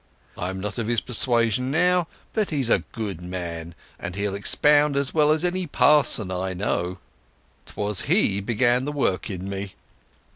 I'm not of his persuasion now, but he's a good man, and he'll expound as well as any parson I know. 'Twas he began the work in me."